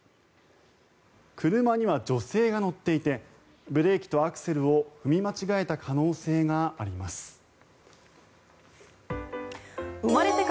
車には女性が乗っていてブレーキとアクセルを踏み間違えた可能性があります。